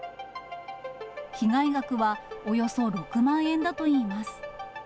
被害額はおよそ６万円だといいます。